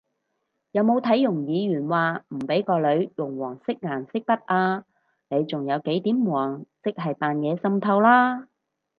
有冇睇容議員話唔畀個女用黃色顏色筆啊？你仲有幾點黃即係扮嘢滲透啦！？